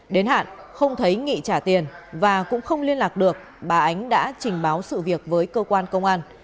đến hạn không thấy nghị trả tiền và cũng không liên lạc được bà ánh đã trình báo sự việc với cơ quan công an